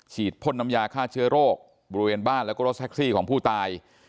พ่นน้ำยาฆ่าเชื้อโรคบริเวณบ้านแล้วก็รถแท็กซี่ของผู้ตาย